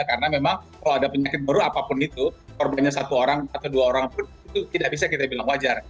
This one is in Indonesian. karena memang kalau ada penyakit baru apapun itu korbannya satu orang atau dua orang pun itu tidak bisa kita bilang wajar